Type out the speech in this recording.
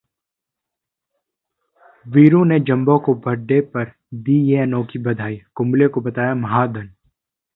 वीरू ने जंबो को बर्थडे पर दी यह अनोखी बधाई, कुंबले को बताया महाधन